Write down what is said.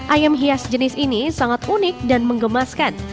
ayam hias jenis ini sangat unik dan mengemaskan